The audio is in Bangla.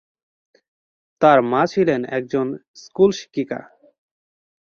তার মা ছিলেন একজন স্কুল শিক্ষিকা।